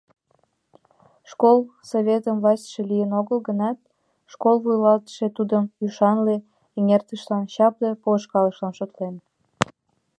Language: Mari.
Школ советын властьше лийын огыл гынат, школ вуйлатыше тудым ӱшанле эҥертышлан, чапле полышкалышылан шотлен.